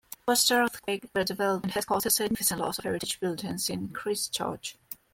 Post-earthquake redevelopment has caused a significant loss of heritage buildings in Christchurch.